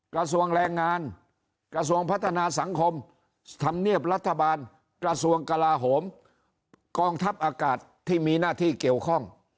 กระทรวงแรงงานกระทรวงพัฒนาสังคมธรรมเนียบรัฐบาลกระทรวงกลาโหมกองทัพอากาศที่มีหน้าที่เกี่ยวข้อง